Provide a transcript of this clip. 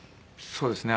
そうですね。